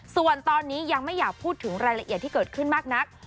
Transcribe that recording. ส่วนตอนนี้ยังไม่อยากพูดถึงรายละเอียดที่เกิดขึ้นมากนัก